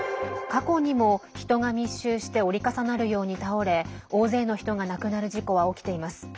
過去にも、人が密集して折り重なるように倒れ大勢の人が亡くなる事故は起きています。